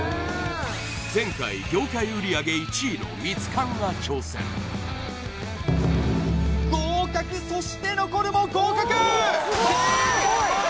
前回業界売上１位のミツカンが挑戦合格そして残るも合格！